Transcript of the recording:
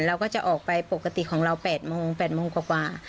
เราก็จะออกไปปกติของเรา๘โมง๘โมงกว่า